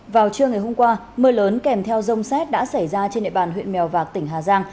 vào trưa ngày hôm qua mưa lớn kèm theo rông xét đã xảy ra trên địa bàn huyện mèo vạc tỉnh hà giang